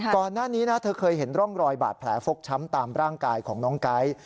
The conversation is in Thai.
ก่อนหน้านี้นะเธอเคยเห็นร่องรอยบาดแผลฟกช้ำตามร่างกายของน้องไก๊